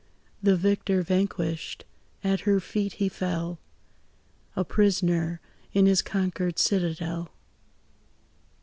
The victor vanquished, at her feet he fell, A prisoner in his conquered citadel.